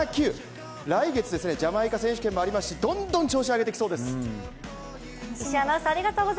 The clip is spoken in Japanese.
来月ジャマイカ選手権もありますしどんどん調子を上げてきそうです。